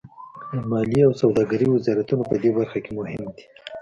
د مالیې او سوداګرۍ وزارتونه پدې برخه کې مهم دي